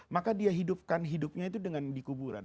maka dia hidupkan hidupnya itu dengan di kuburan